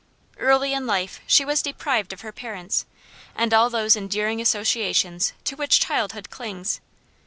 Early in life she was deprived of her parents, and all those endearing associations to which childhood clings.